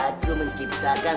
aku menciptakan senjata